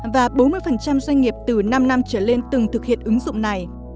và bốn mươi doanh nghiệp từ năm năm trở lên từng thực hiện ứng dụng này